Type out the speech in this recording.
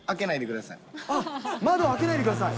窓開けないでください。